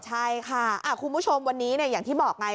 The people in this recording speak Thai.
ใช่ค่ะคุณผู้ชมวันนี้อย่างที่บอกไง